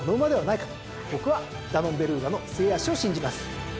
僕はダノンベルーガの末脚を信じます。